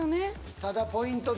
ただポイントね